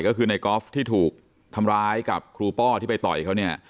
ก็คือในกอล์ฟที่ถูกทำร้ายกับครูป้อที่ไปต่อยเขาเนี่ย